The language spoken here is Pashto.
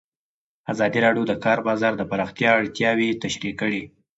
ازادي راډیو د د کار بازار د پراختیا اړتیاوې تشریح کړي.